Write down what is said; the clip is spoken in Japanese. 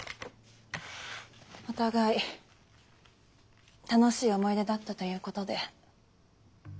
お互い楽しい思い出だったということで。